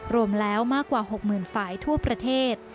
รวมแล้วมากกว่า๖๐๐๐ฝ่ายทั่วประเทศ